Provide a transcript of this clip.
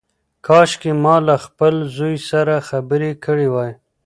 کاشکي ما له خپل زوی سره خبرې کړې وای.